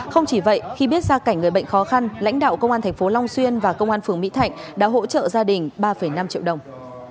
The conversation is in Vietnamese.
không chỉ vậy khi biết gia cảnh người bệnh khó khăn lãnh đạo công an thành phố long xuyên và công an phường mỹ thạnh đã hỗ trợ gia đình ba năm triệu đồng